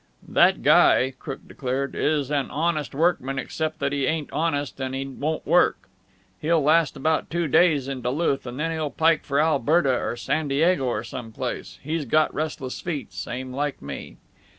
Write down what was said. "That guy," Crook declared, "is an honest workman except that he ain't honest and he won't work. He'll last about two days in Duluth, and then he'll pike for Alberta or San Diego or some place. He's got restless feet, same like me."